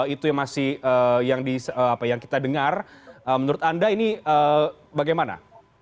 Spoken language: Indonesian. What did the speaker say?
itu yang masih yang kita dengar menurut anda ini bagaimana